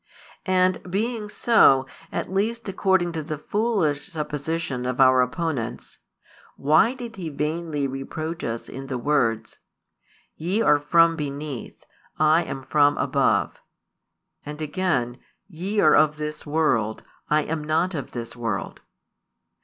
And, being so, at least according to the foolish supposition of our opponents, why did He vainly reproach us in the words: Ye are from beneath; I am from above, and again: Ye are of this world; I am not of this world?